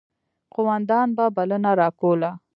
قوماندان به بلنه راکوله.